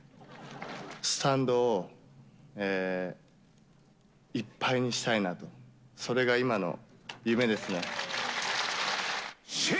スタンドをいっぱいにしたいなと、それが今の夢ですね。